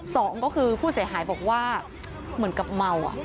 สองก็คือผู้เสียหายบอกว่าเหมือนกับเมา